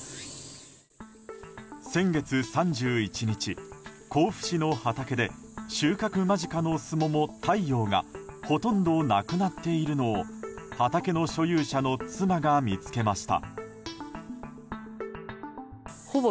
先月３１日、甲府市の畑で収穫間近のスモモ「太陽」がほとんどなくなっているのを畑の所有者の妻が見つけました。